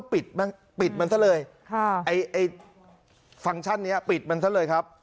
ปิดมันซะเลยไอ้ฟังก์ชันนี้ปิดมันซะเลยครับ